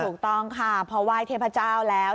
ถูกต้องค่ะพอไหว้เทพเจ้าแล้ว